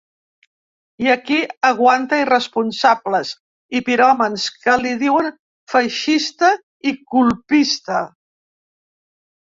I aquí aguanta irresponsables i piròmans que li diuen feixista i colpista.